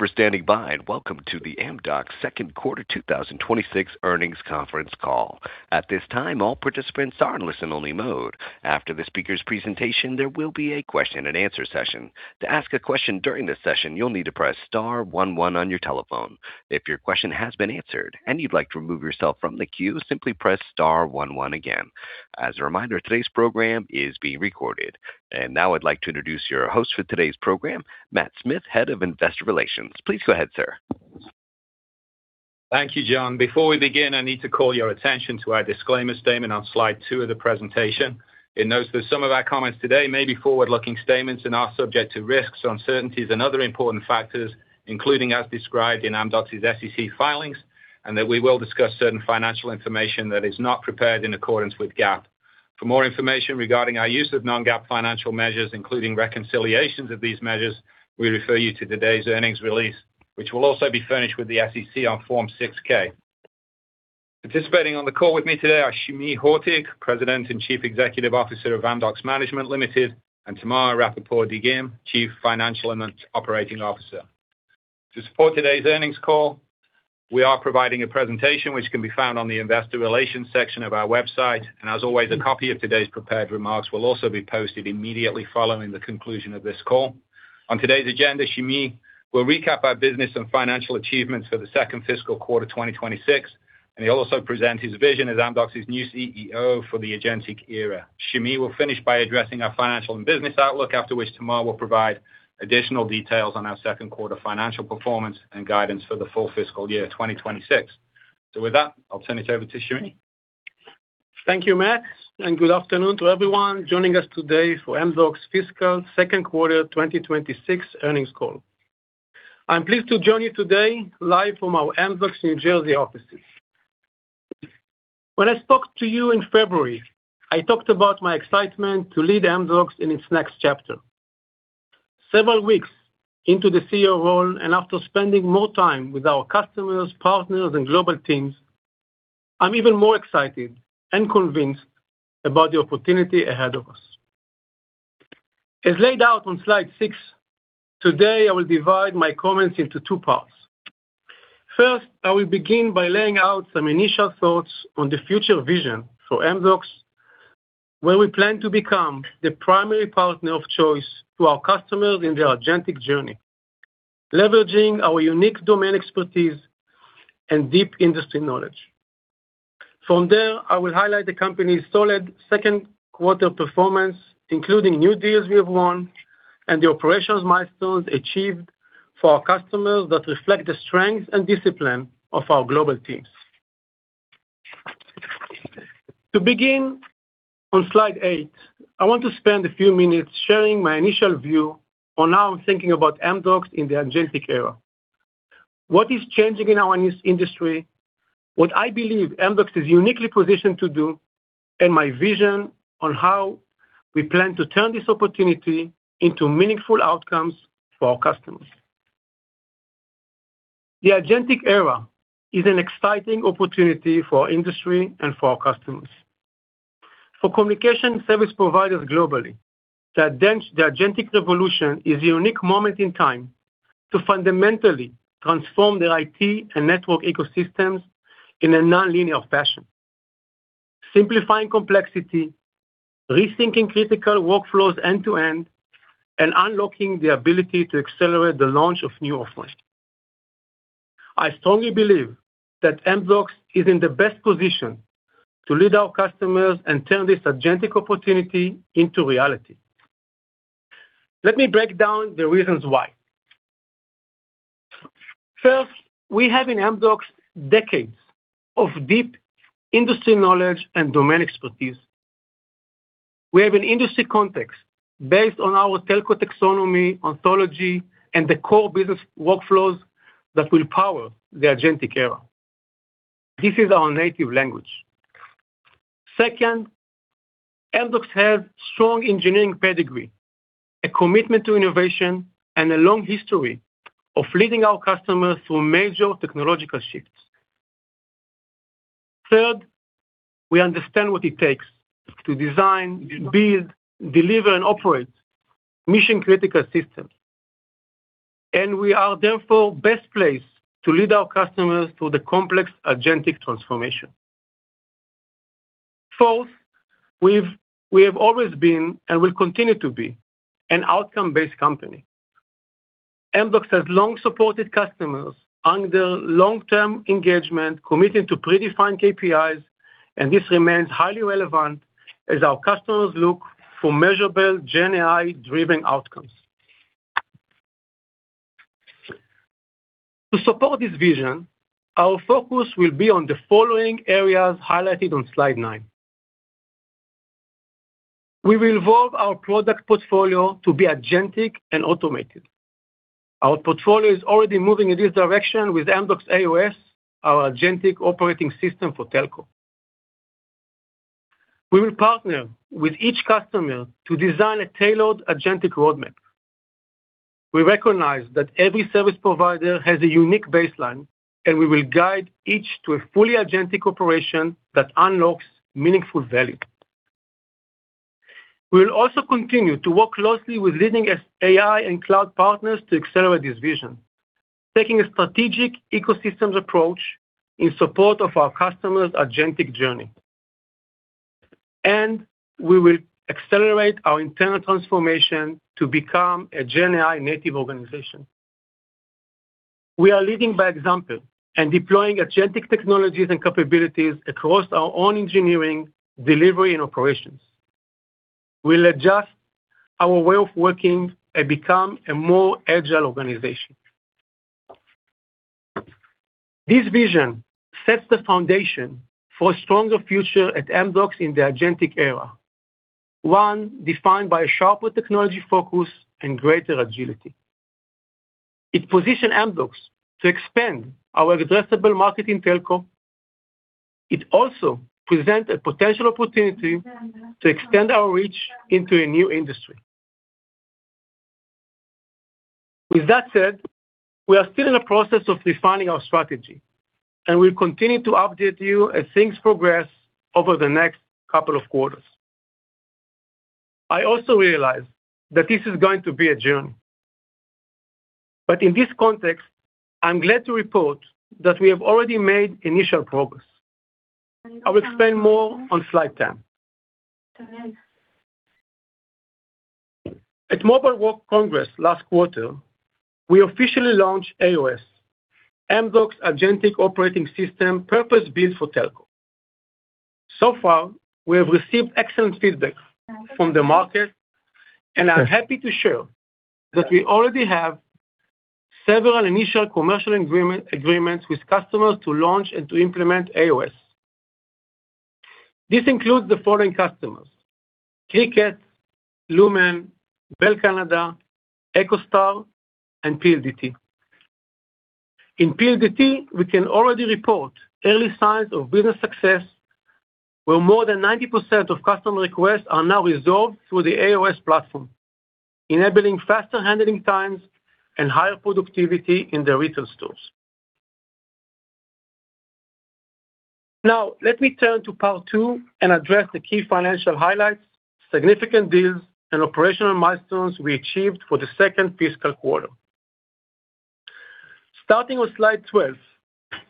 Thank you for standing by, and welcome to the Amdocs second quarter 2026 earnings conference call. Now I'd like to introduce your host for today's program, Matt Smith, Head of Investor Relations. Please go ahead, sir. Thank you, John. Before we begin, I need to call your attention to our disclaimer statement on slide two of the presentation. It notes that some of our comments today may be forward-looking statements and are subject to risks, uncertainties, and other important factors, including as described in Amdocs' SEC filings, and that we will discuss certain financial information that is not prepared in accordance with GAAP. For more information regarding our use of non-GAAP financial measures, including reconciliations of these measures, we refer you to today's earnings release, which will also be furnished with the SEC on Form 6-K. Participating on the call with me today are Shimie Hortig, President and Chief Executive Officer of Amdocs Management Limited, and Tamar Rapaport-Dagim, Chief Financial and Operating Officer. To support today's earnings call, we are providing a presentation which can be found on the investor relations section of our website. As always, a copy of today's prepared remarks will also be posted immediately following the conclusion of this call. On today's agenda, Shimie will recap our business and financial achievements for the second fiscal quarter 2026, and he'll also present his vision as Amdocs' new CEO for the agentic era. Shimie will finish by addressing our financial and business outlook, after which Tamar will provide additional details on our second quarter financial performance and guidance for the full fiscal year 2026. With that, I'll turn it over to Shimie. Thank you, Matt, and good afternoon to everyone joining us today for Amdocs Fiscal second quarter 2026 earnings call. I'm pleased to join you today live from our Amdocs New Jersey offices. When I spoke to you in February, I talked about my excitement to lead Amdocs in its next chapter. Several weeks into the CEO role, and after spending more time with our customers, partners, and global teams, I'm even more excited and convinced about the opportunity ahead of us. As laid out on slide six, today I will divide my comments into two parts. First, I will begin by laying out some initial thoughts on the future vision for Amdocs, where we plan to become the primary partner of choice to our customers in their agentic journey, leveraging our unique domain expertise and deep industry knowledge. From there, I will highlight the company's solid second quarter performance, including new deals we have won and the operations milestones achieved for our customers that reflect the strength and discipline of our global teams. To begin, on slide eight, I want to spend a few minutes sharing my initial view on how I'm thinking about Amdocs in the agentic era, what is changing in our industry, what I believe Amdocs is uniquely positioned to do, and my vision on how we plan to turn this opportunity into meaningful outcomes for our customers. The agentic era is an exciting opportunity for our industry and for our customers. For communication service providers globally, the agentic revolution is a unique moment in time to fundamentally transform their IT and network ecosystems in a nonlinear fashion, simplifying complexity, rethinking critical workflows end to end, and unlocking the ability to accelerate the launch of new offerings. I strongly believe that Amdocs is in the best position to lead our customers and turn this agentic opportunity into reality. Let me break down the reasons why. First, we have in Amdocs decades of deep industry knowledge and domain expertise. We have an industry context based on our telco taxonomy, ontology, and the core business workflows that will power the agentic era. This is our native language. Second, Amdocs has strong engineering pedigree, a commitment to innovation, and a long history of leading our customers through major technological shifts. Third, we understand what it takes to design, build, deliver, and operate mission-critical systems, we are therefore best placed to lead our customers through the complex agentic transformation. Fourth, we have always been, and will continue to be, an outcome-based company. Amdocs has long supported customers under long-term engagement committed to predefined KPIs, this remains highly relevant as our customers look for measurable GenAI-driven outcomes. To support this vision, our focus will be on the following areas highlighted on slide nine. We will evolve our product portfolio to be agentic and automated. Our portfolio is already moving in this direction with Amdocs aOS, our agentic operating system for telco. We will partner with each customer to design a tailored agentic roadmap. We recognize that every service provider has a unique baseline, and we will guide each to a fully agentic operation that unlocks meaningful value. We'll also continue to work closely with leading AI and cloud partners to accelerate this vision, taking a strategic ecosystems approach in support of our customers' agentic journey. We will accelerate our internal transformation to become a GenAI native organization. We are leading by example and deploying agentic technologies and capabilities across our own engineering, delivery, and operations. We'll adjust our way of working and become a more agile organization. This vision sets the foundation for a stronger future at Amdocs in the agentic era, one defined by a sharper technology focus and greater agility. It positions Amdocs to expand our addressable market in telco. It also presents a potential opportunity to extend our reach into a new industry. With that said, we are still in the process of refining our strategy, and we'll continue to update you as things progress over the next couple of quarters. I also realize that this is going to be a journey. In this context, I'm glad to report that we have already made initial progress. I will explain more on slide 10. At Mobile World Congress last quarter, we officially launched aOS, Amdocs Agentic Operating System purpose-built for telco. So far, we have received excellent feedback from the market, and I'm happy to share that we already have several initial commercial agreements with customers to launch and to implement aOS. This includes the following customers: Cricket, Lumen, Bell Canada, EchoStar, and PLDT. In PLDT, we can already report early signs of business success, where more than 90% of customer requests are now resolved through the aOS platform, enabling faster handling times and higher productivity in the retail stores. Let me turn to part two and address the key financial highlights, significant deals, and operational milestones we achieved for the second fiscal quarter. Starting on slide 12,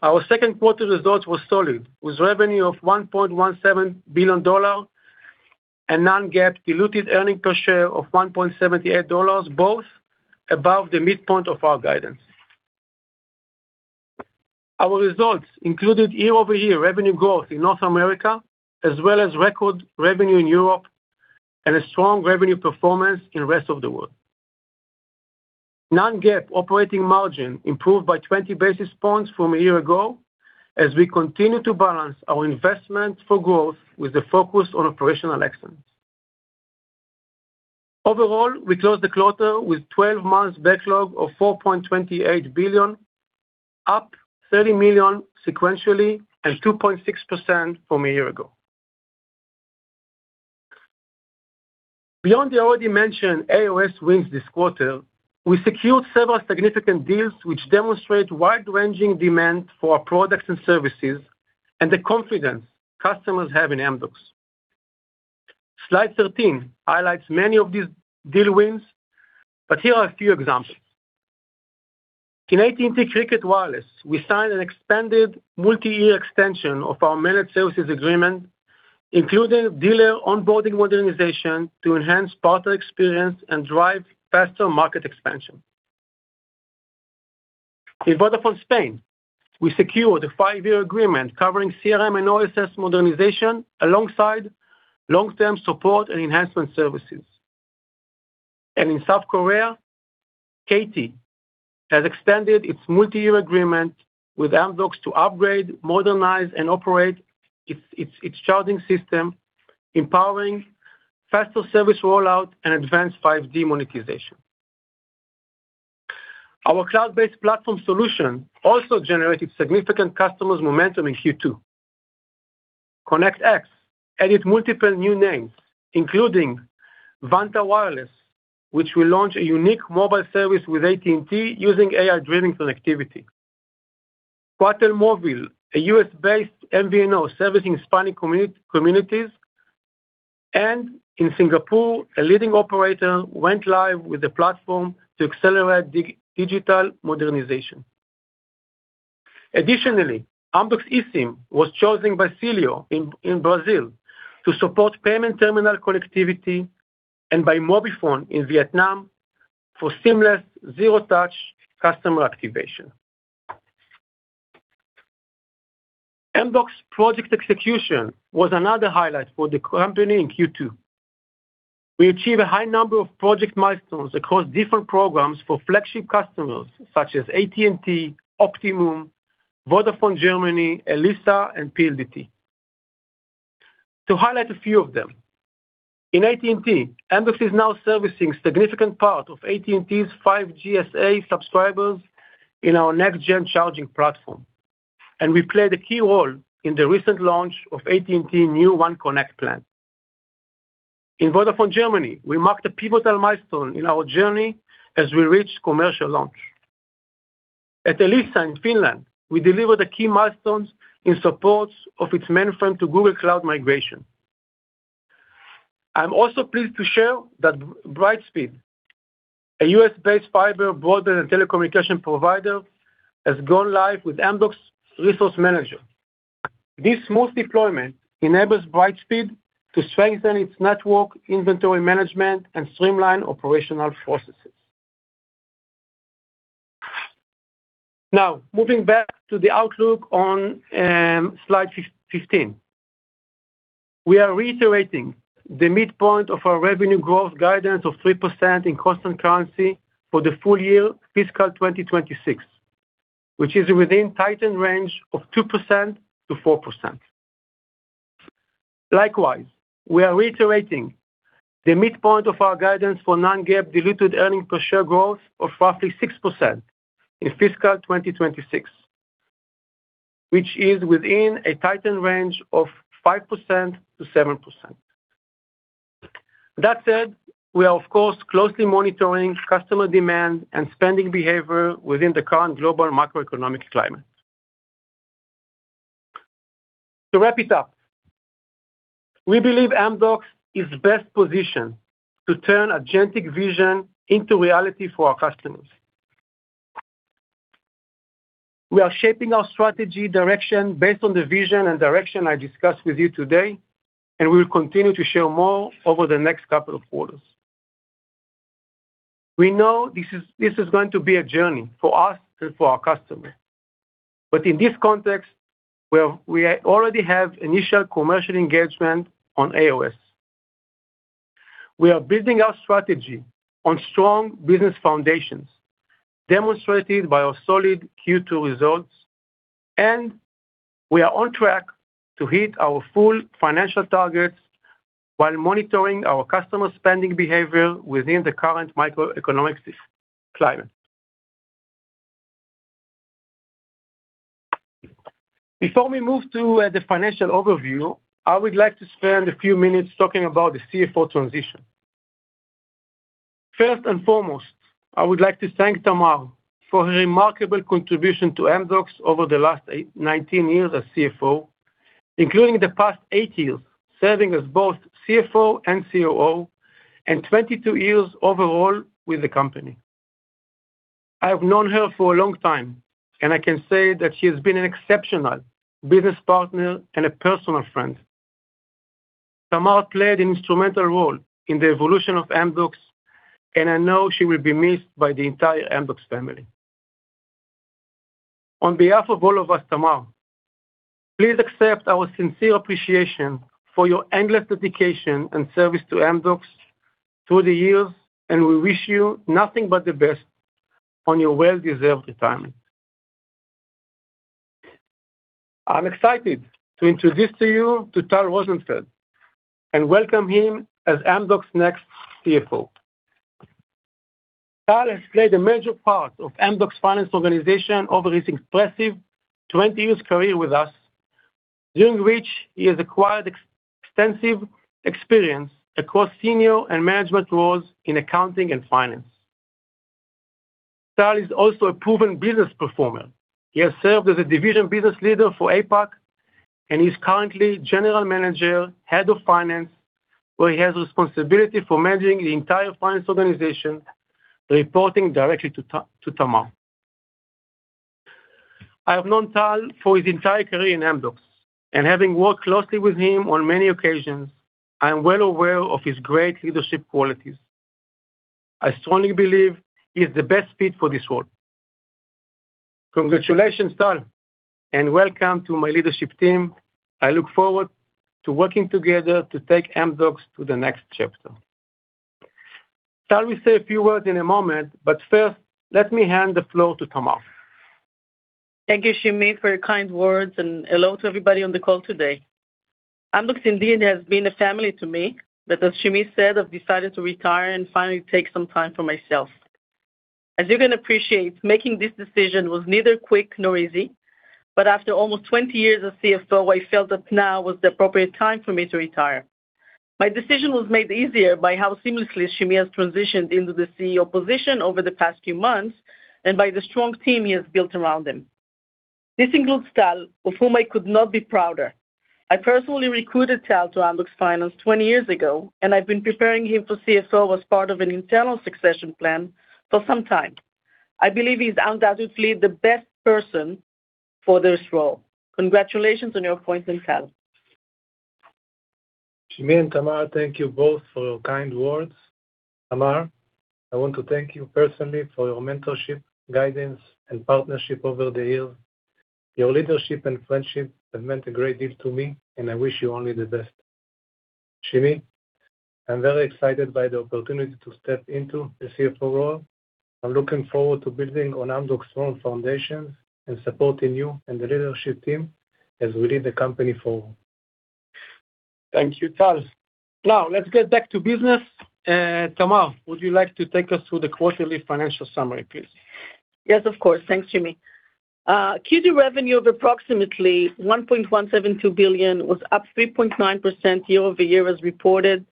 our second quarter results were solid, with revenue of $1.17 billion and non-GAAP diluted earnings per share of $1.78, both above the midpoint of our guidance. Our results included year-over-year revenue growth in North America, as well as record revenue in Europe and a strong revenue performance in Rest of the World. Non-GAAP operating margin improved by 20 basis points from a year ago as we continue to balance our investment for growth with the focus on operational excellence. Overall, we closed the quarter with 12 months backlog of $4.28 billion, up $30 million sequentially and 2.6% from a year ago. Beyond the already mentioned aOS wins this quarter, we secured several significant deals which demonstrate wide-ranging demand for our products and services and the confidence customers have in Amdocs. Slide 13 highlights many of these deal wins, but here are a few examples. In AT&T Cricket Wireless, we signed an expanded multi-year extension of our managed services agreement, including dealer onboarding modernization to enhance partner experience and drive faster market expansion. In Vodafone Spain, we secured a five-year agreement covering CRM and OSS modernization alongside long-term support and enhancement services. In South Korea, KT has extended its multi-year agreement with Amdocs to upgrade, modernize, and operate its charging system, empowering faster service rollout and advanced 5G monetization. Our cloud-based platform solution also generated significant customers momentum in Q2. connectX added multiple new names, including Vantta Wireless, which will launch a unique mobile service with AT&T using AI-driven connectivity. Cuatro Mobile, a U.S.-based MVNO servicing Hispanic communities. In Singapore, a leading operator went live with the platform to accelerate digital modernization. Additionally, Amdocs eSIM was chosen by Cielo in Brazil to support payment terminal connectivity and by MobiFone in Vietnam for seamless zero-touch customer activation. Amdocs project execution was another highlight for the company in Q2. We achieved a high number of project milestones across different programs for flagship customers such as AT&T, Optimum, Vodafone Germany, Elisa, and PLDT. To highlight a few of them, in AT&T, Amdocs is now servicing significant part of AT&T's 5G SA subscribers in our next-gen charging platform, and we played a key role in the recent launch of AT&T new OneConnect Plan. In Vodafone Germany, we marked a pivotal milestone in our journey as we reached commercial launch. At Elisa in Finland, we delivered the key milestones in support of its mainframe to Google Cloud migration. I'm also pleased to share that Brightspeed, a U.S.-based fiber, broadband, and telecommunication provider, has gone live with Amdocs Resource Manager. This smooth deployment enables Brightspeed to strengthen its network, inventory management, and streamline operational processes. Now, moving back to the outlook on slide 15. We are reiterating the midpoint of our revenue growth guidance of 3% in constant currency for the full year fiscal 2026, which is within tightened range of 2%-4%. Likewise, we are reiterating the midpoint of our guidance for non-GAAP diluted earnings per share growth of roughly 6% in fiscal 2026, which is within a tightened range of 5%-7%. That said, we are, of course, closely monitoring customer demand and spending behavior within the current global macroeconomic climate. To wrap it up, we believe Amdocs is best positioned to turn agentic vision into reality for our customers. We are shaping our strategy direction based on the vision and direction I discussed with you today, and we will continue to share more over the next couple of quarters. We know this is going to be a journey for us and for our customers. In this context, where we already have initial commercial engagement on aOS. We are building our strategy on strong business foundations demonstrated by our solid Q2 results, and we are on track to hit our full financial targets while monitoring our customer spending behavior within the current macroeconomic climate. Before we move to the financial overview, I would like to spend a few minutes talking about the CFO transition. First and foremost, I would like to thank Tamar for her remarkable contribution to Amdocs over the last 19 years as CFO, including the past eight years serving as both CFO and COO and 22 years overall with the company. I have known her for a long time, I can say that she has been an exceptional business partner and a personal friend. Tamar played an instrumental role in the evolution of Amdocs, and I know she will be missed by the entire Amdocs family. On behalf of all of us, Tamar, please accept our sincere appreciation for your endless dedication and service to Amdocs through the years, and we wish you nothing but the best on your well-deserved retirement. I'm excited to introduce to you to Tal Rozenfeld and welcome him as Amdocs' next CFO. Tal has played a major part of Amdocs' finance organization over his impressive 20-year career with us, during which he has acquired extensive experience across senior and management roles in accounting and finance. Tal is also a proven business performer. He has served as a division business leader for APAC, and he's currently General Manager, Head of Finance, where he has responsibility for managing the entire finance organization, reporting directly to Tamar. I have known Tal for his entire career in Amdocs and having worked closely with him on many occasions, I am well aware of his great leadership qualities. I strongly believe he is the best fit for this role. Congratulations, Tal, and welcome to my leadership team. I look forward to working together to take Amdocs to the next chapter. Tal will say a few words in a moment, but first, let me hand the floor to Tamar. Thank you, Shimie, for your kind words, and hello to everybody on the call today. Amdocs indeed has been a family to me, but as Shimie said, I've decided to retire and finally take some time for myself. As you can appreciate, making this decision was neither quick nor easy, but after almost 20 years as CFO, I felt that now was the appropriate time for me to retire. My decision was made easier by how seamlessly Shimie has transitioned into the CEO position over the past few months and by the strong team he has built around him. This includes Tal, of whom I could not be prouder. I personally recruited Tal to Amdocs Finance 20 years ago, and I've been preparing him for CFO as part of an internal succession plan for some time. I believe he's undoubtedly the best person for this role. Congratulations on your appointment, Tal. Shimie and Tamar, thank you both for your kind words. Tamar, I want to thank you personally for your mentorship, guidance, and partnership over the years. Your leadership and friendship have meant a great deal to me, and I wish you only the best. Shimie, I'm very excited by the opportunity to step into the CFO role. I'm looking forward to building on Amdocs' strong foundations and supporting you and the leadership team as we lead the company forward. Thank you, Tal. Now, let's get back to business. Tamar, would you like to take us through the quarterly financial summary, please? Yes, of course. Thanks, Shimie. Q2 revenue of approximately $1.172 billion was up 3.9% year-over-year as reported.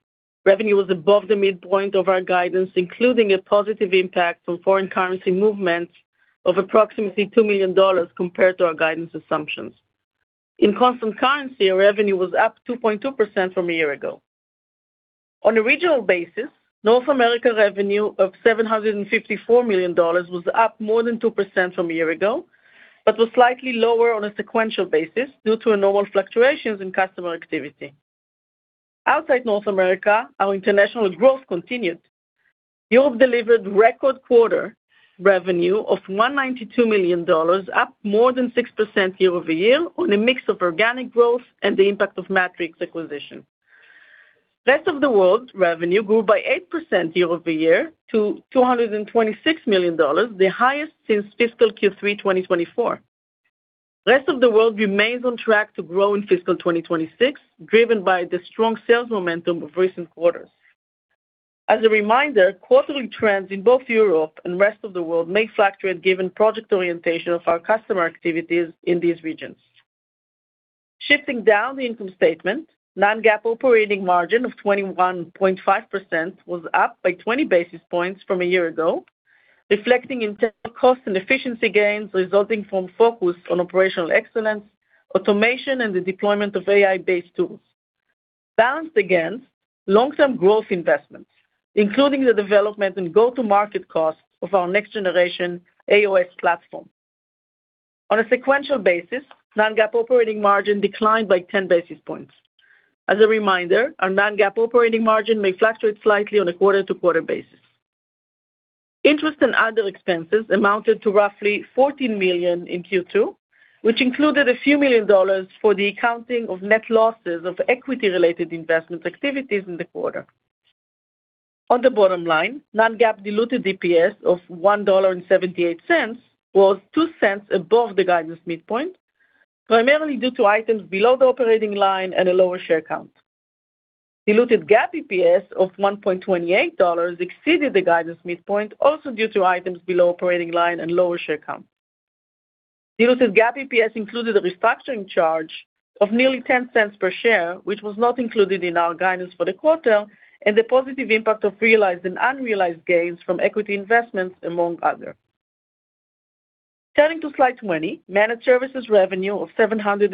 Revenue was above the midpoint of our guidance, including a positive impact from foreign currency movements of approximately $2 million compared to our guidance assumptions. In constant currency, our revenue was up 2.2% from a year ago. On a regional basis, North America revenue of $754 million was up more than 2% from a year ago, but was slightly lower on a sequential basis due to normal fluctuations in customer activity. Outside North America, our international growth continued. Europe delivered record quarter revenue of $192 million, up more than 6% year-over-year on a mix of organic growth and the impact of Matrix acquisition. Rest of the World revenue grew by 8% year-over-year to $226 million, the highest since fiscal Q3 2024. Rest of the World remains on track to grow in fiscal 2026, driven by the strong sales momentum of recent quarters. As a reminder, quarterly trends in both Europe and Rest of the World may fluctuate given project orientation of our customer activities in these regions. Shifting down the income statement, non-GAAP operating margin of 21.5% was up by 20 basis points from a year ago, reflecting internal cost and efficiency gains resulting from focus on operational excellence, automation, and the deployment of AI-based tools. Balanced against long-term growth investments, including the development and go-to-market costs of our next-generation aOS platform. On a sequential basis, non-GAAP operating margin declined by 10 basis points. As a reminder, our non-GAAP operating margin may fluctuate slightly on a quarter-to-quarter basis. Interest and other expenses amounted to roughly $14 million in Q2, which included a few million dollars for the accounting of net losses of equity-related investment activities in the quarter. On the bottom line, non-GAAP diluted DPS of $1.78 was $0.02 above the guidance midpoint, primarily due to items below the operating line and a lower share count. Diluted GAAP EPS of $1.28 exceeded the guidance midpoint also due to items below operating line and lower share count. Diluted GAAP EPS included a restructuring charge of nearly $0.10 per share, which was not included in our guidance for the quarter and the positive impact of realized and unrealized gains from equity investments among others. Turning to slide 20, managed services revenue of $759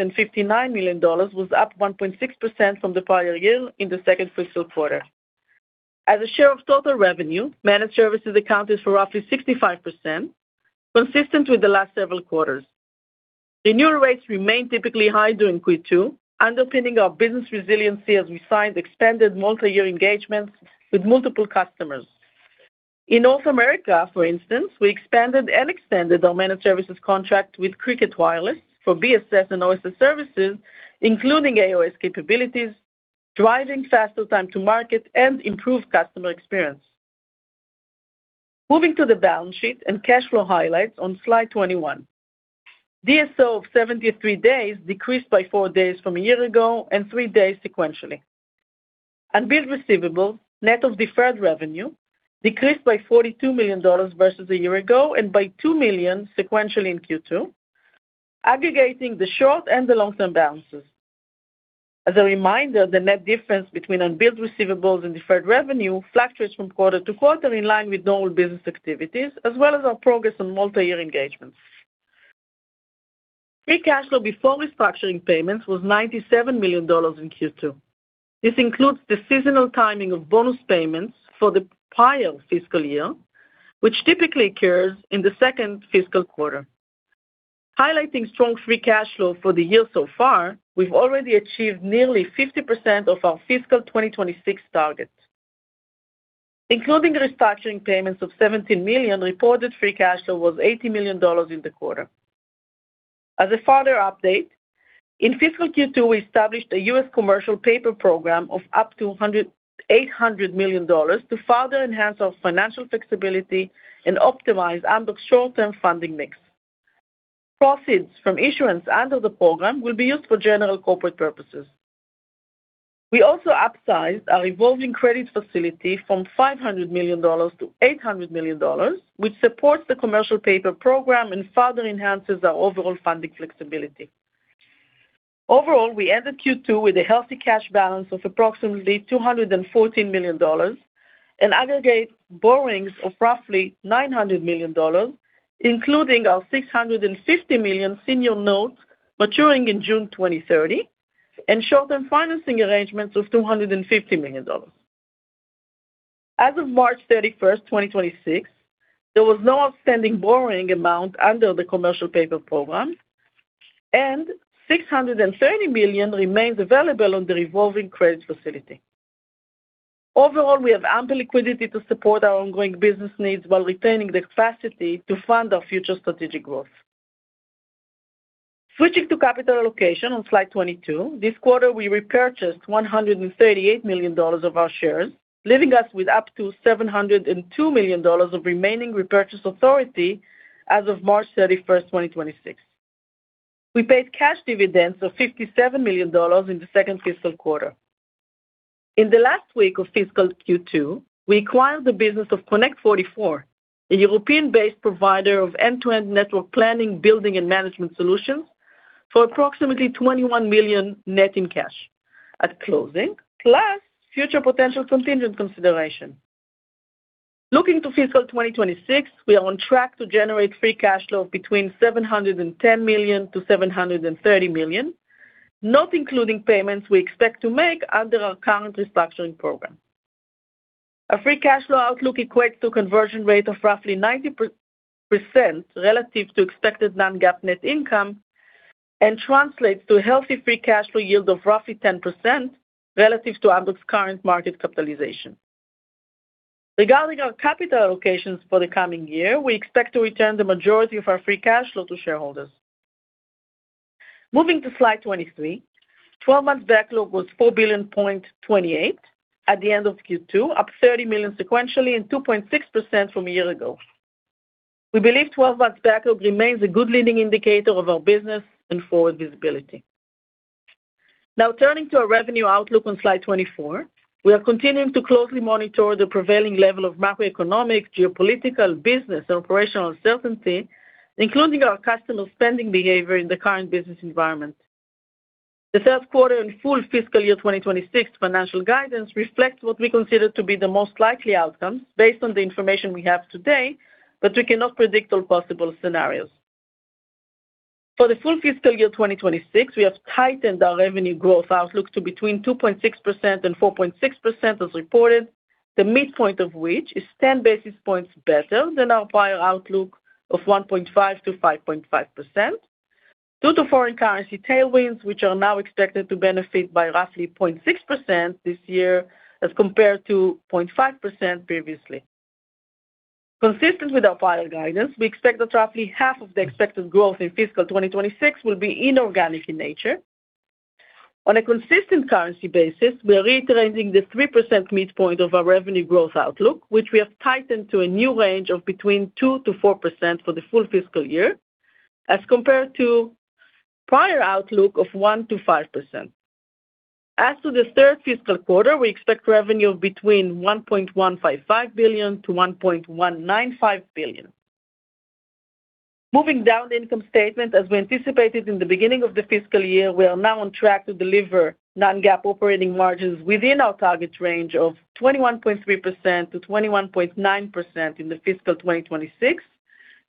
million was up 1.6% from the prior year in the second fiscal quarter. As a share of total revenue, managed services accounted for roughly 65%, consistent with the last several quarters. Renewal rates remain typically high during Q2, underpinning our business resiliency as we signed expanded multi-year engagements with multiple customers. In North America, for instance, we expanded and extended our managed services contract with Cricket Wireless for BSS and OSS services, including aOS capabilities, driving faster time to market and improved customer experience. Moving to the balance sheet and cash flow highlights on slide 21. DSO of 73 days decreased by four days from a year ago and three days sequentially. Unbilled receivables, net of deferred revenue, decreased by $42 million versus a year ago and by $2 million sequentially in Q2, aggregating the short and the long-term balances. As a reminder, the net difference between unbilled receivables and deferred revenue fluctuates from quarter to quarter in line with normal business activities as well as our progress on multi-year engagements. Free cash flow before restructuring payments was $97 million in Q2. This includes the seasonal timing of bonus payments for the prior fiscal year, which typically occurs in the second fiscal quarter. Highlighting strong free cash flow for the year so far, we've already achieved nearly 50% of our fiscal 2026 target. Including restructuring payments of $17 million, reported free cash flow was $80 million in the quarter. As a further update, in fiscal Q2, we established a U.S. commercial paper program of up to $800 million to further enhance our financial flexibility and optimize Amdocs' short-term funding mix. Proceeds from issuance under the program will be used for general corporate purposes. We also upsized our revolving credit facility from $500 million to $800 million, which supports the commercial paper program and further enhances our overall funding flexibility. Overall, we ended Q2 with a healthy cash balance of approximately $214 million, an aggregate borrowings of roughly $900 million, including our $650 million senior notes maturing in June 2030, and short-term financing arrangements of $250 million. As of March 31st, 2026, there was no outstanding borrowing amount under the commercial paper program, and $630 million remains available on the revolving credit facility. Overall, we have ample liquidity to support our ongoing business needs while retaining the capacity to fund our future strategic growth. Switching to capital allocation on slide 22. This quarter, we repurchased $138 million of our shares, leaving us with up to $702 million of remaining repurchase authority as of March 31st, 2026. We paid cash dividends of $57 million in the second fiscal quarter. In the last week of fiscal Q2, we acquired the business of Connect44, a European-based provider of end-to-end network planning, building, and management solutions for approximately $21 million net in cash at closing, plus future potential contingent consideration. Looking to fiscal 2026, we are on track to generate free cash flow between $710 million-$730 million, not including payments we expect to make under our current restructuring program. Our free cash flow outlook equates to conversion rate of roughly 90% relative to expected non-GAAP net income and translates to a healthy free cash flow yield of roughly 10% relative to Amdocs' current market capitalization. Regarding our capital allocations for the coming year, we expect to return the majority of our free cash flow to shareholders. Moving to slide 23, 12-month backlog was $4.28 billion at the end of Q2, up $30 million sequentially and 2.6% from a year ago. We believe 12-month backlog remains a good leading indicator of our business and forward visibility. Turning to our revenue outlook on slide 24, we are continuing to closely monitor the prevailing level of macroeconomic, geopolitical, business, and operational uncertainty, including our customer spending behavior in the current business environment. The third quarter and full fiscal year 2026 financial guidance reflects what we consider to be the most likely outcome based on the information we have today, we cannot predict all possible scenarios. For the full fiscal year 2026, we have tightened our revenue growth outlook to between 2.6% and 4.6% as reported, the midpoint of which is 10 basis points better than our prior outlook of 1.5%-5.5% due to foreign currency tailwinds, which are now expected to benefit by roughly 0.6% this year as compared to 0.5% previously. Consistent with our prior guidance, we expect that roughly half of the expected growth in fiscal 2026 will be inorganic in nature. On a consistent currency basis, we are reiterating the 3% midpoint of our revenue growth outlook, which we have tightened to a new range of between 2%-4% for the full fiscal year as compared to prior outlook of 1%-5%. As to the third fiscal quarter, we expect revenue of between $1.155 billion-$1.195 billion. Moving down the income statement, as we anticipated in the beginning of the fiscal year, we are now on track to deliver non-GAAP operating margins within our target range of 21.3%-21.9% in the fiscal 2026,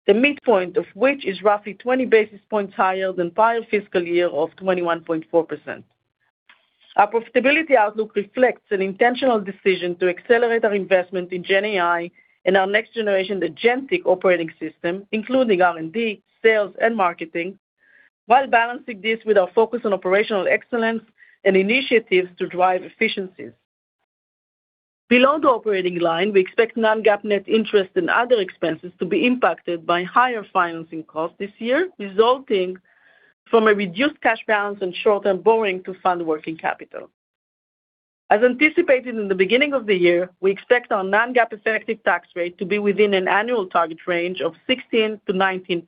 the midpoint of which is roughly 20 basis points higher than prior fiscal year of 21.4%. Our profitability outlook reflects an intentional decision to accelerate our investment in GenAI and our next generation, the agentic operating system, including R&D, sales, and marketing, while balancing this with our focus on operational excellence and initiatives to drive efficiencies. Below the operating line, we expect non-GAAP net interest and other expenses to be impacted by higher financing costs this year, resulting from a reduced cash balance and short-term borrowing to fund working capital. As anticipated in the beginning of the year, we expect our non-GAAP effective tax rate to be within an annual target range of 16%-19%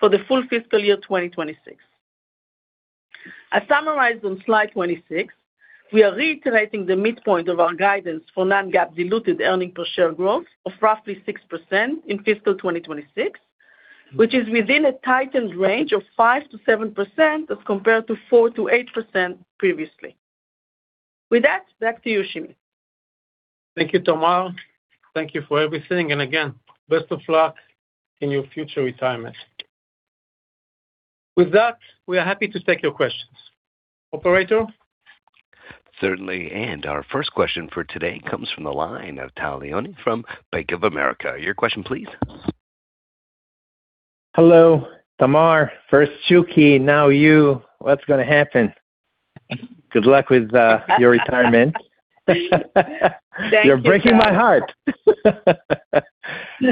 for the full fiscal year 2026. As summarized on slide 26, we are reiterating the midpoint of our guidance for non-GAAP diluted earnings per share growth of roughly 6% in fiscal 2026, which is within a tightened range of 5%-7% as compared to 4%-8% previously. With that, back to you, Shimie. Thank you, Tamar. Thank you for everything. Again, best of luck in your future retirement. With that, we are happy to take your questions. Operator? Certainly. Our first question for today comes from the line of Tal Liani from Bank of America. Your question please. Hello, Tamar. First, Shuky, now you. What's gonna happen? Good luck with your retirement. Thank you, Tal. You're breaking my heart.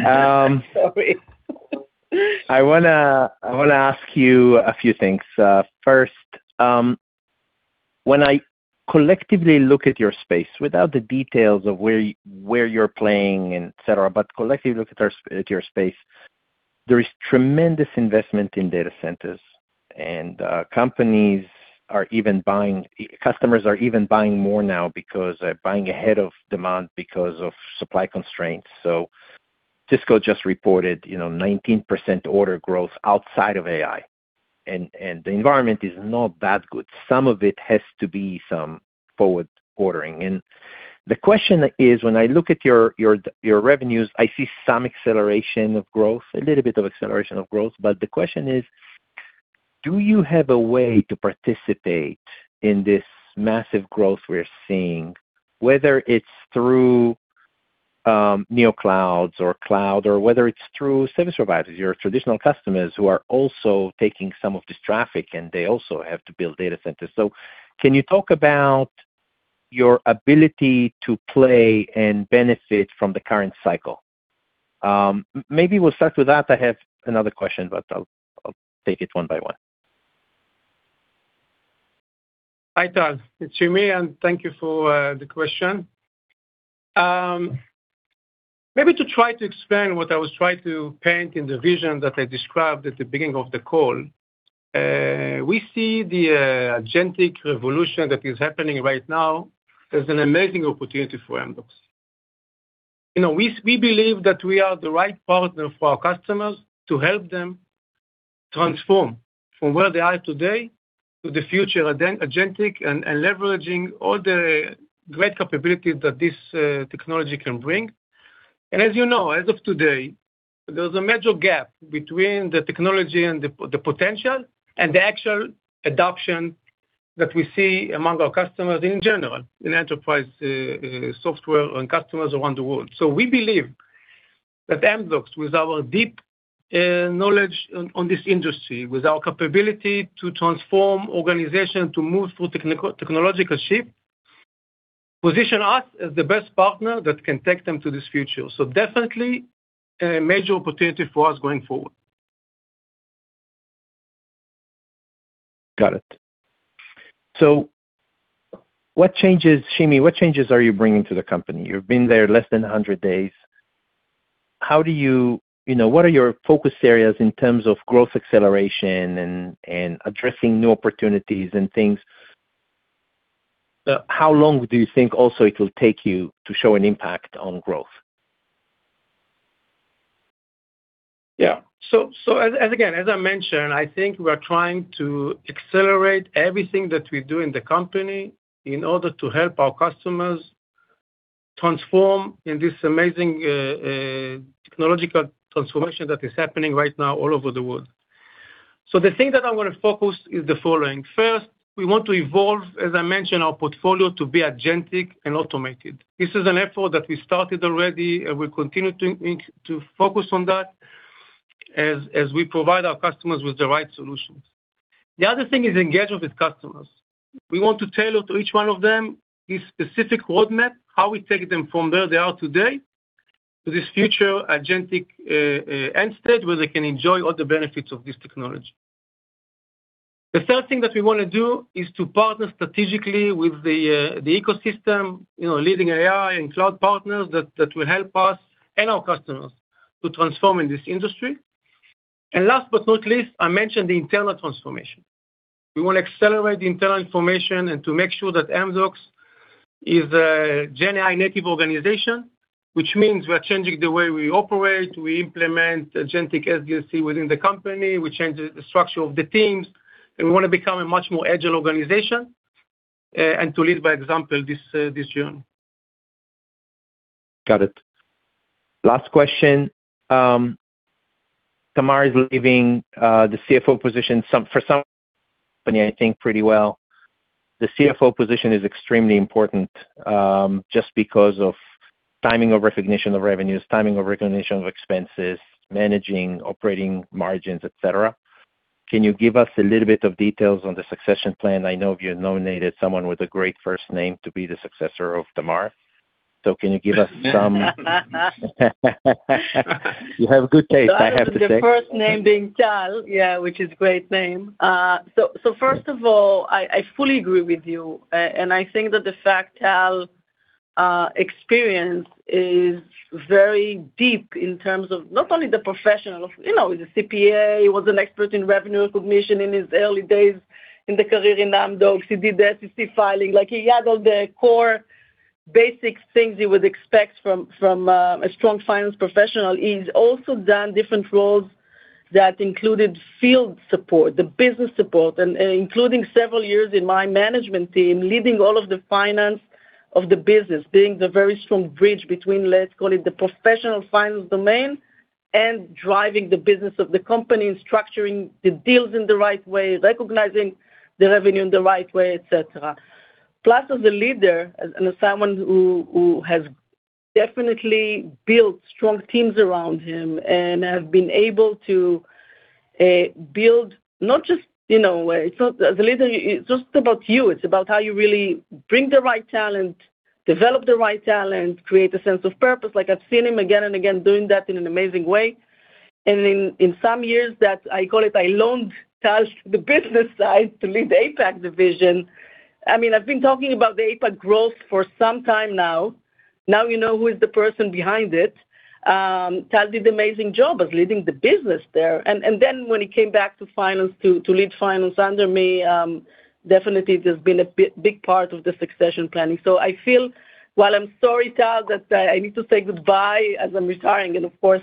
Sorry. I want to ask you a few things. First, when I collectively look at your space without the details of where you're playing and et cetera, but collectively look at your space, there is tremendous investment in data centers. Customers are even buying more now because they're buying ahead of demand because of supply constraints. Cisco just reported, you know, 19% order growth outside of AI, and the environment is not that good. Some of it has to be some forward ordering. The question is, when I look at your revenues, I see some acceleration of growth, a little bit of acceleration of growth. The question is, do you have a way to participate in this massive growth we're seeing, whether it's through NeoClouds or cloud or whether it's through service providers, your traditional customers who are also taking some of this traffic, and they also have to build data centers? Can you talk about your ability to play and benefit from the current cycle? Maybe we'll start with that. I have another question, but I'll take it one by one. Hi, Tal. It's Shimie, and thank you for the question. Maybe to try to explain what I was trying to paint in the vision that I described at the beginning of the call, we see the agentic revolution that is happening right now as an amazing opportunity for Amdocs. You know, we believe that we are the right partner for our customers to help them transform from where they are today to the future agentic and leveraging all the great capabilities that this technology can bring. As you know, as of today, there's a major gap between the technology and the potential and the actual adoption that we see among our customers in general, in enterprise, software and customers around the world. We believe that Amdocs, with our deep knowledge on this industry, with our capability to transform organization, to move through technological shift, position us as the best partner that can take them to this future. Definitely a major opportunity for us going forward. Got it. What changes, Shimie, what changes are you bringing to the company? You've been there less than 100 days. You know, what are your focus areas in terms of growth acceleration and addressing new opportunities and things? How long do you think also it will take you to show an impact on growth? Yeah. As, as, again, as I mentioned, I think we are trying to accelerate everything that we do in the company in order to help our customers transform in this amazing technological transformation that is happening right now all over the world. The thing that I want to focus is the following. First, we want to evolve, as I mentioned, our portfolio to be agentic and automated. This is an effort that we started already, and we're continuing to focus on that as we provide our customers with the right solutions. The other thing is engagement with customers. We want to tailor to each one of them this specific roadmap, how we take them from where they are today to this future agentic end state where they can enjoy all the benefits of this technology. The third thing that we wanna do is to partner strategically with the ecosystem, you know, leading AI and cloud partners that will help us and our customers to transform in this industry. Last but not least, I mentioned the internal transformation. We wanna accelerate the internal transformation and to make sure that Amdocs is a GenAI native organization, which means we're changing the way we operate, we implement agentic SDLC within the company, we change the structure of the teams, and we wanna become a much more agile organization and to lead by example this journey. Got it. Last question. Tamar is leaving for some company, I think pretty well. The CFO position is extremely important, just because of timing of recognition of revenues, timing of recognition of expenses, managing operating margins, et cetera. Can you give us a little bit of details on the succession plan? I know you nominated someone with a great first name to be the successor of Tamar. You have good taste, I have to say. To add to the first name being Tal, yeah, which is a great name. First of all, I fully agree with you. I think that the fact Tal experience is very deep in terms of not only the professional, you know, he's a CPA, he was an expert in revenue recognition in his early days in the career in Amdocs. He did the SEC filing. Like, he had all the core basic things you would expect from a strong finance professional. He's also done different roles that included field support, the business support, and including several years in my management team, leading all of the finance of the business, being the very strong bridge between, let's call it, the professional finance domain and driving the business of the company and structuring the deals in the right way, recognizing the revenue in the right way, et cetera. As a leader and as someone who has definitely built strong teams around him and have been able to build not just, you know, it's not As a leader, it's just about you. It's about how you really bring the right talent, develop the right talent, create a sense of purpose. I've seen him again and again doing that in an amazing way. In some years that, I call it, I loaned Tal to the business side to lead the APAC division. I mean, I've been talking about the APAC growth for some time now. Now you know who is the person behind it. Tal did amazing job of leading the business there. Then when he came back to finance to lead finance under me, definitely it has been a big part of the succession planning. I feel while I'm sorry, Tal, that I need to say goodbye as I'm retiring, of course,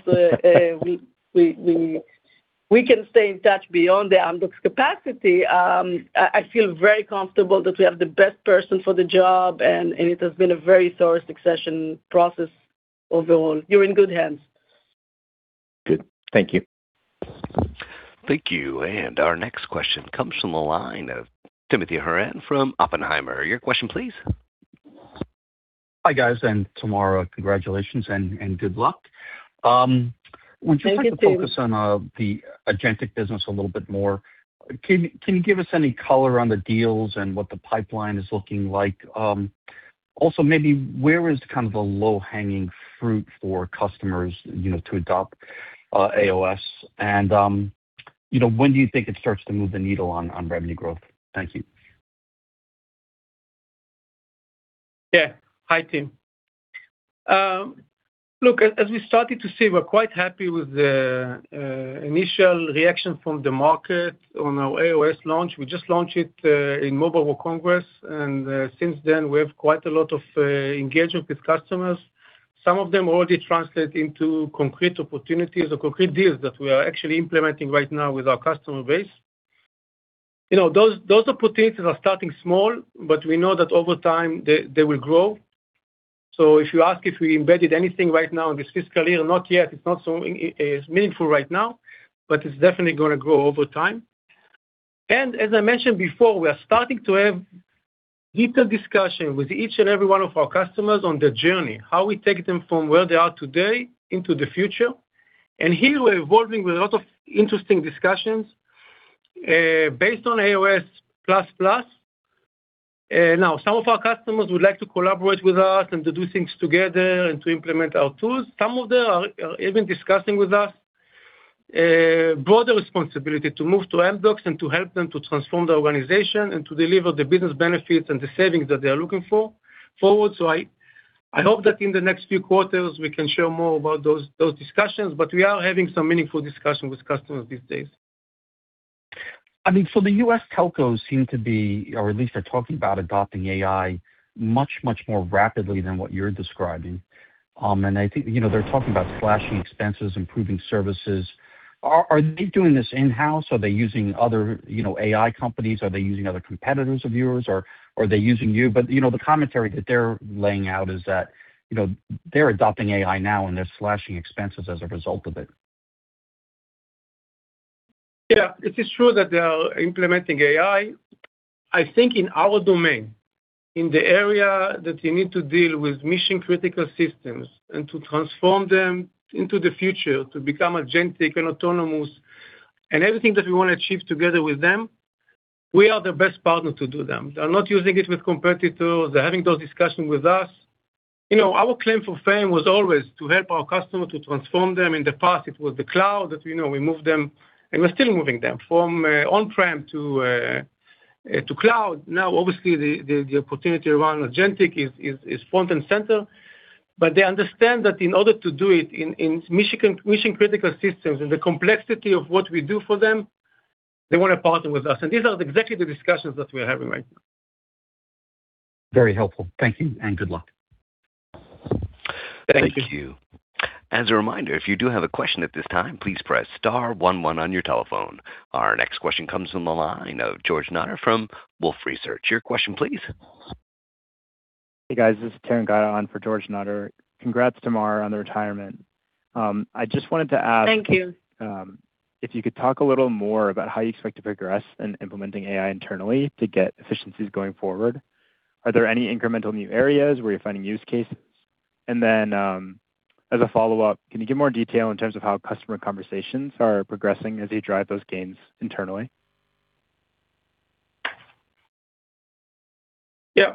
we can stay in touch beyond the Amdocs capacity, I feel very comfortable that we have the best person for the job and it has been a very thorough succession process overall. You're in good hands. Good. Thank you. Thank you. Our next question comes from the line of Timothy Horan from Oppenheimer. Your question please. Hi, guys. Tamar, congratulations and good luck. Thank you, Tim. like to focus on the agentic business a little bit more. Can you give us any color on the deals and what the pipeline is looking like? Also maybe where is kind of the low-hanging fruit for customers, you know, to adopt aOS? You know, when do you think it starts to move the needle on revenue growth? Thank you. Hi, Tim. Look, as we started to see, we're quite happy with the initial reaction from the market on our aOS launch. We just launched it in Mobile World Congress, since then, we have quite a lot of engagement with customers. Some of them already translate into concrete opportunities or concrete deals that we are actually implementing right now with our customer base. You know, those opportunities are starting small, we know that over time, they will grow. If you ask if we embedded anything right now in this fiscal year, not yet. It's not so meaningful right now, it's definitely gonna grow over time. As I mentioned before, we are starting to have detailed discussion with each and every one of our customers on their journey, how we take them from where they are today into the future. Here, we're evolving with a lot of interesting discussions, based on aOS plus plus. Now some of our customers would like to collaborate with us and to do things together and to implement our tools. Some of them are even discussing with us broader responsibility to move to Amdocs and to help them to transform their organization and to deliver the business benefits and the savings that they're looking forward. I hope that in the next few quarters, we can share more about those discussions, but we are having some meaningful discussions with customers these days. I mean, the U.S. telcos seem to be, or at least are talking about adopting AI much, much more rapidly than what you're describing. I think, you know, they're talking about slashing expenses, improving services. Are they doing this in-house? Are they using other, you know, AI companies? Are they using other competitors of yours or are they using you? You know, the commentary that they're laying out is that, you know, they're adopting AI now, and they're slashing expenses as a result of it. Yeah. It is true that they are implementing AI. I think in our domain, in the area that you need to deal with mission-critical systems and to transform them into the future, to become agentic and autonomous, and everything that we wanna achieve together with them, we are the best partner to do them. They're not using it with competitors. They're having those discussions with us. You know, our claim for fame was always to help our customers to transform them. In the past, it was the cloud that, you know, we moved them, and we're still moving them from on-prem to cloud. Now, obviously, the opportunity around agentic is front and center. They understand that in order to do it in mission-critical systems and the complexity of what we do for them, they want to partner with us, and these are exactly the discussions that we're having right now. Very helpful. Thank you, and good luck. Thank you. Thank you. As a reminder, if you do have a question at this time, please press star one one on your telephone. Our next question comes from the line of George Notter from Wolfe Research. Your question please. Hey, guys, this is Tim for George Notter. Congrats, Tamar, on the retirement. Thank you. If you could talk a little more about how you expect to progress in implementing AI internally to get efficiencies going forward. Are there any incremental new areas where you're finding use cases? Then, as a follow-up, can you give more detail in terms of how customer conversations are progressing as you drive those gains internally? Yeah.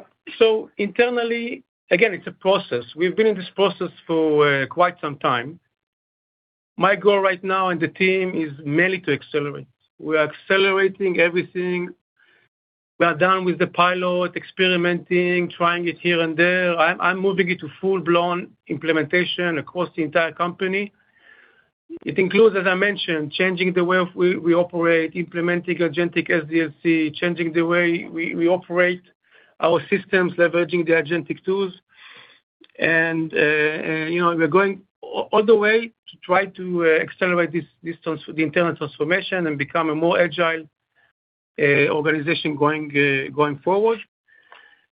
Internally, again, it's a process. We've been in this process for quite some time. My goal right now and the team is mainly to accelerate. We are accelerating everything. We are done with the pilot, experimenting, trying it here and there. I'm moving it to full-blown implementation across the entire company. It includes, as I mentioned, changing the way we operate, implementing agentic SDLC, changing the way we operate our systems, leveraging the agentic tools. You know, we're going all the way to try to accelerate this internal transformation and become a more agile organization going forward.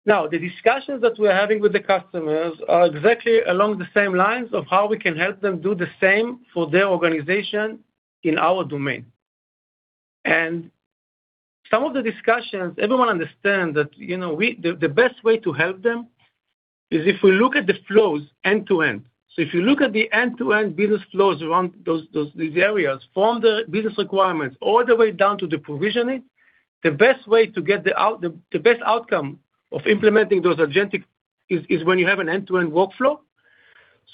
The discussions that we're having with the customers are exactly along the same lines of how we can help them do the same for their organization in our domain. Some of the discussions, everyone understand that, you know, the best way to help them is if we look at the flows end-to-end. If you look at the end-to-end business flows around those, these areas, from the business requirements all the way down to the provisioning, the best way to get the best outcome of implementing those agentic is when you have an end-to-end workflow.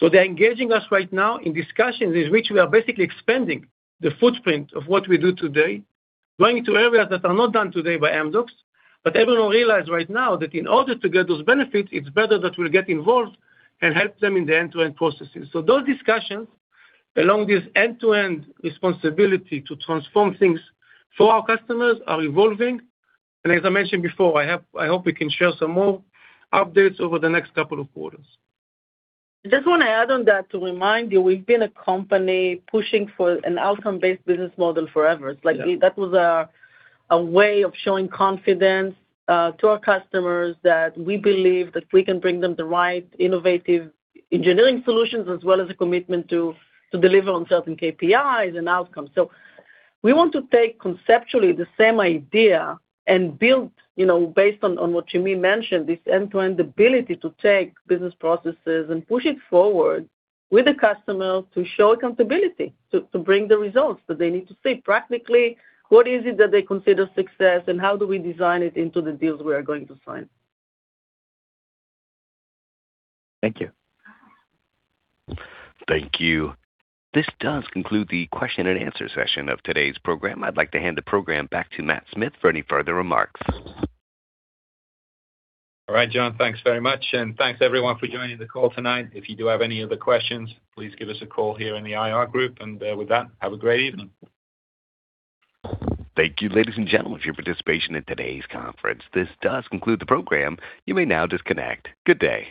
They're engaging us right now in discussions in which we are basically expanding the footprint of what we do today, going to areas that are not done today by Amdocs. Everyone realize right now that in order to get those benefits, it's better that we get involved and help them in the end-to-end processes. Those discussions along this end-to-end responsibility to transform things for our customers are evolving. As I mentioned before, I hope we can share some more updates over the next couple of quarters. Just wanna add on that to remind you, we've been a company pushing for an outcome-based business model forever. Yeah. It's like that was a way of showing confidence to our customers that we believe that we can bring them the right innovative engineering solutions, as well as a commitment to deliver on certain KPIs and outcomes. We want to take conceptually the same idea and build, you know, based on what Shimie mentioned, this end-to-end ability to take business processes and push it forward with the customer to show accountability, to bring the results that they need to see. Practically, what is it that they consider success, and how do we design it into the deals we are going to sign? Thank you. Thank you. This does conclude the question and answer session of today's program. I'd like to hand the program back to Matt Smith for any further remarks. All right, John, thanks very much. Thanks everyone for joining the call tonight. If you do have any other questions, please give us a call here in the IR group. With that, have a great evening. Thank you, ladies and gentlemen, for your participation in today's conference. This does conclude the program. You may now disconnect. Good day.